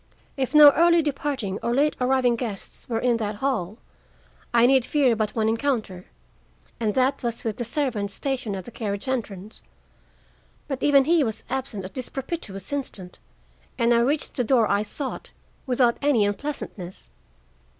If no early departing or late arriving guests were in that hall, I need fear but one encounter, and that was with the servant stationed at the carriage entrance. But even he was absent at this propitious instant, and I reached the door I sought without any unpleasantness.